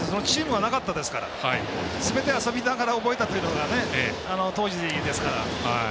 小学校ってチームがなかったですからすべて遊びながら覚えたのが当時ですから。